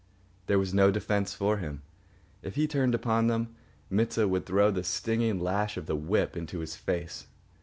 There was no defence for him. If he turned upon them, Mit sah would throw the stinging lash of the whip into his face.